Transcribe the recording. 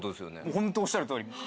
ホントおっしゃるとおり。